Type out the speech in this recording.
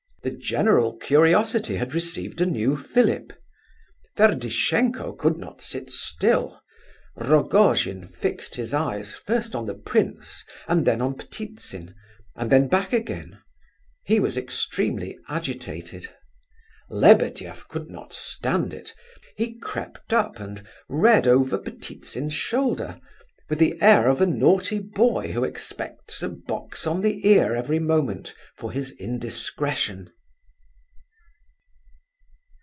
The general curiosity had received a new fillip. Ferdishenko could not sit still. Rogojin fixed his eyes first on the prince, and then on Ptitsin, and then back again; he was extremely agitated. Lebedeff could not stand it. He crept up and read over Ptitsin's shoulder, with the air of a naughty boy who expects a box on the ear every moment for his indiscretion.